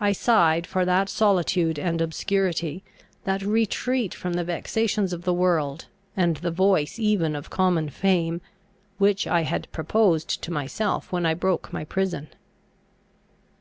I sighed for that solitude and obscurity, that retreat from the vexations of the world and the voice even of common fame, which I had proposed to myself when I broke my prison.